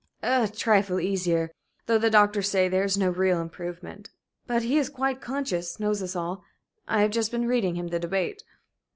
"A trifle easier, though the doctors say there is no real improvement. But he is quite conscious knows us all. I have just been reading him the debate."